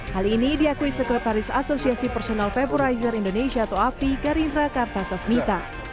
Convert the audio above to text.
hal ini diakui sekretaris asosiasi personal favorizer indonesia atau afi garindra kartasasmita